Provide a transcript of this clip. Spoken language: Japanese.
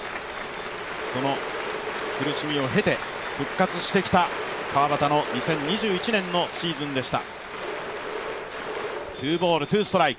その苦しみを経て、復活してきた川端の２０２１年のシーズンでした。